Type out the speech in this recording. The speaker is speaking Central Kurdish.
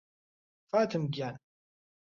فاتم گیان